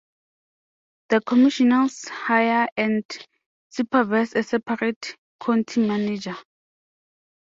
The Commissioners hire and supervise a separate County Manager.